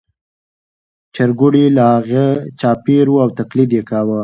چرګوړي له هغې چاپېر وو او تقلید یې کاوه.